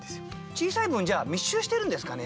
小さい分密集してるんですかね？